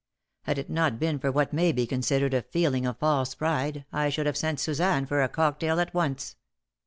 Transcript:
Had it not been for what may be considered a feeling of false pride I should have sent Suzanne for a cocktail at once.